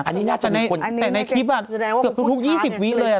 อันนี้น่าจะในคลิปน่ะเกือบทุก๒๐วินาทีเลยอ่ะ